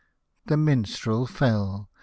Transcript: " The Minstrel fell !